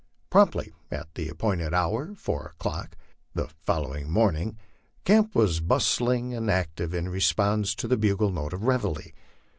Promptly at the appointed hour, four o'clock the following morning, camp was bustling and active in response to the bugle notes of reveille.